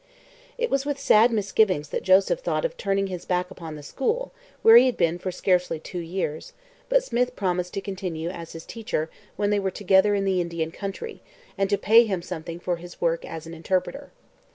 It was with sad misgivings that Joseph thought of turning his back upon the school, where he had been for scarcely two years; but Smith promised to continue as his teacher when they were together in the Indian country, and to pay him something for his work as an interpreter.